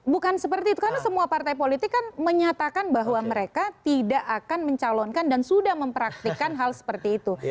bukan seperti itu karena semua partai politik kan menyatakan bahwa mereka tidak akan mencalonkan dan sudah mempraktikan hal seperti itu